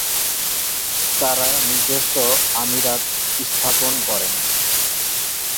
তারা নিজস্ব আমিরাত স্থাপন করে।